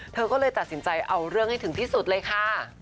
เธอก็เลยตัดสินใจเอาเรื่องให้ถึงที่สุดเลยค่ะ